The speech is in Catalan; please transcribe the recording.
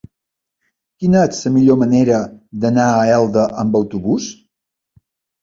Quina és la millor manera d'anar a Elda amb autobús?